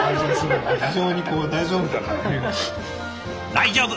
大丈夫！